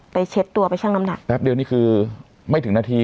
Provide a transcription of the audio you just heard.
เช็ดตัวไปชั่งน้ำหนักแป๊บเดียวนี่คือไม่ถึงนาที